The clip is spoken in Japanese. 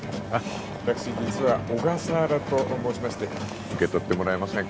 私実は小笠原と申しまして受け取ってもらえませんか？